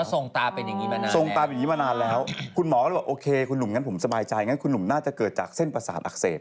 ก็ส่งตาเป็นอย่างงี้มานานแล้วคุณหมอก็บอกโอเคคุณหนุ่มผมสบายใจคุณหนุ่มน่าจะเกิดจากเส้นประสาทอักเสบ